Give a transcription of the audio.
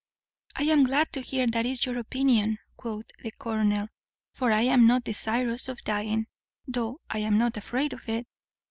"I am glad to hear that is your opinion," quoth the colonel, "for I am not desirous of dying, though I am not afraid of it.